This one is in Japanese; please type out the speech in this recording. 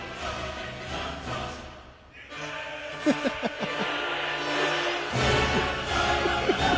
ハハハハハ！